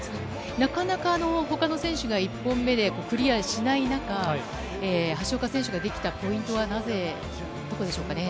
なかなか他の選手が１本目でクリアしない中、橋岡選手ができたポイントはどこでしょうか？